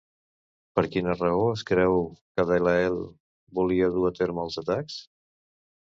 Per quina raó es creu que Daleel volia dur a terme més atacs?